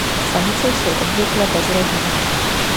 Samice jsou obvykle bez rohů.